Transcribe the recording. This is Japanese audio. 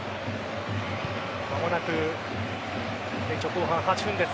間もなく延長後半８分です。